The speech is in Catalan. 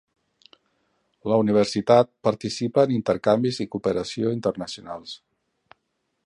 La universitat participa en intercanvis i cooperació internacionals.